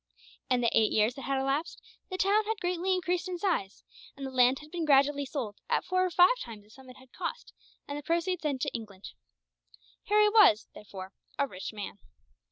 In the eight years that has elapsed, the town had greatly increased in size; and the land had been gradually sold, at four or five times the sum that it had cost, and the proceeds sent to England. Harry was, therefore, a rich man.